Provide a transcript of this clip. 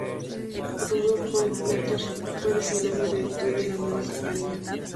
Rudolf Matter fue designado director de la nueva compañía.